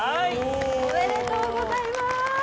おめでとうございます！